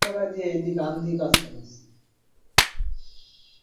জোটের একাধিক সূত্র জানায়, এবারও জামায়াত আগের অবস্থানেই থাকছে বলে তাদের ধারণা।